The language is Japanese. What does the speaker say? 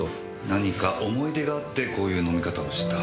何か思い出があってこういう飲み方をした。